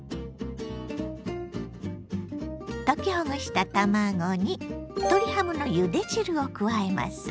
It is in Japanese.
溶きほぐした卵に鶏ハムのゆで汁を加えます。